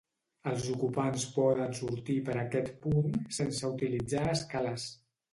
Els ocupants poden sortir per aquest punt sense utilitzar escales.